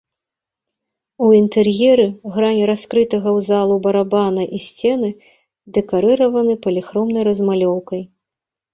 У інтэр'еры грані раскрытага ў залу барабана і сцены дэкарыраваны паліхромнай размалёўкай.